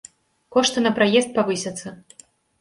Кошты на праезд павысяцца.